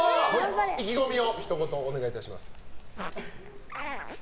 意気込みをひと言お願いします。